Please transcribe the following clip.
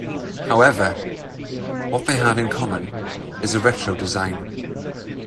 However, what they have in common is a retro design.